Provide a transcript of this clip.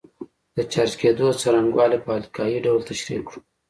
د چارج کېدو څرنګوالی په القايي ډول تشریح کړو.